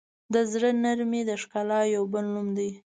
د زړه نرمي د ښکلا یو بل نوم دی.